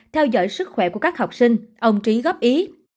theo dõi sức khỏe của các học sinh ông trí góp ý